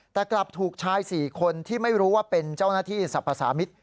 แต่กลับถูกชาย๔คนที่ไม่รู้ว่าเป็นเจ้าหน้าที่สรรพสามิตร